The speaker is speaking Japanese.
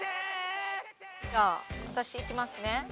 じゃあ私いきますね。